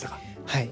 はい。